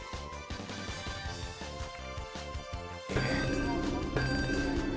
えっ？